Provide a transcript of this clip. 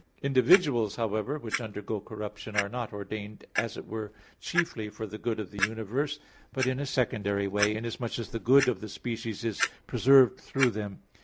Individuals, however, which undergo corruption, are not ordained as it were chiefly for the good of the universe, but in a secondary way, inasmuch as the good of the species is preserved through them.